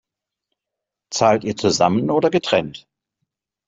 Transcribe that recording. Zahlt ihr zusammen oder getrennt?